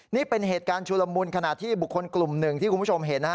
นี่เป็นเหตุการณ์ชุลมุนขณะที่บุคคลกลุ่มหนึ่งที่คุณผู้ชมเห็นนะฮะ